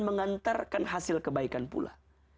mengantarkan hasil kebaikan pula